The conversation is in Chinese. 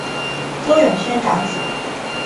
邹永煊长子。